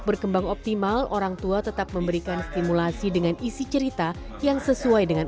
berkembang optimal orangtua tetap memberikan stimulasi dengan isi cerita yang sesuai dengan